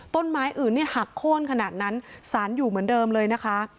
ต้นไม้อื่นนี่หักโค้นขนาดนั้นสารอยู่เหมือนเดิมเลยนะคะ